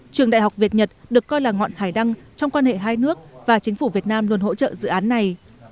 trường đại học việt nhật được coi là ngọn hải đăng trong quan hệ hai nước và chính phủ việt nam luôn hỗ trợ dự án này